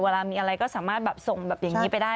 เวลามีอะไรก็สามารถแบบส่งแบบอย่างนี้ไปได้